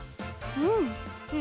うん！